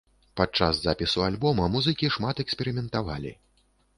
Падчас запісу альбома музыкі шмат эксперыментавалі.